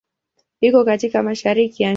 Iko katika Mashariki ya nchi.